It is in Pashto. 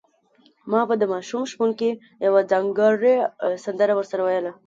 ما به د ماشوم شپونکي یوه ځانګړې سندره ورسره ویله.